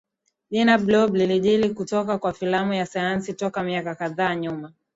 Jina Blob lilijili kutoka kwa filamu ya sayansi Toka miaka kadhaa nyuma